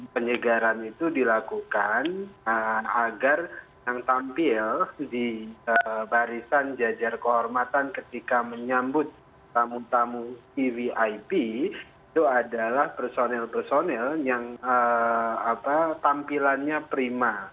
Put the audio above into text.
penyegaran itu dilakukan agar yang tampil di barisan jajar kehormatan ketika menyambut tamu tamu evip itu adalah personil personil yang tampilannya prima